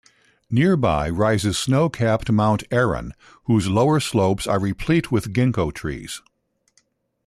Nearby rises snow-capped Mount Aran, whose lower slopes are replete with ginkgo trees.